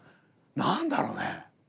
何だろうね。